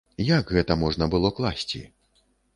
Як гэта можна было класці?